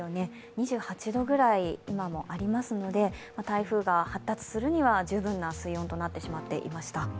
２８度くらい、今もありますので台風が発達するには十分な水温となってしまっていました。